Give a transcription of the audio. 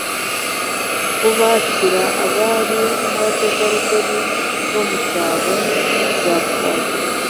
kubakira abari n'abategarugori bo mu cyaro za "foyers"...